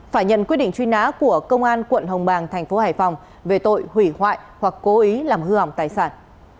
phải nhận quyết định truy nã của công an tp hải phòng về tội hủy hoại hoặc cố ý làm hư hỏng tài sản